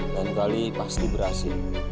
lain kali pasti berhasil